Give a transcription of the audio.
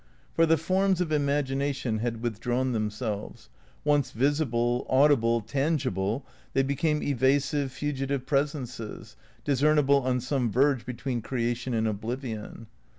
For the forms of imagination had withdrawn themselves ; once visible, audible, tangible, they became evasive, fugitive presences, discernible on some verge between creation and oblivion.